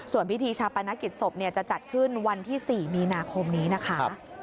ส่วนพิธีชาปนกิจศพจะจัดขึ้นวันที่๔มีนาคมนี้นะคะ